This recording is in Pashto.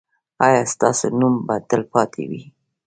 ایا ستاسو نوم به تلپاتې وي؟